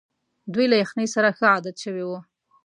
دوی له یخنۍ سره ښه عادت شوي وو.